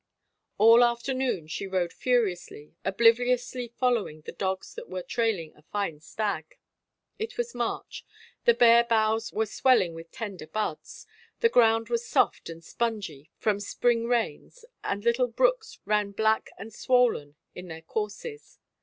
All afternoon she rode furiously, obliviously following the dogs that were trailing a fine stag. It was March; the bare boughs were swelling with tender buds, the ground was soft and spongy from spring rains and the little brooks ran black and swollen in their courses.